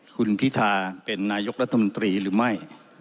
คุณพิธาเหมือนนายก์และต้นตรีหรือไม่